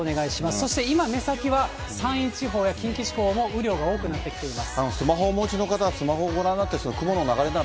そして今、目先は、山陰地方や近畿地方も雨量が多くなってきています。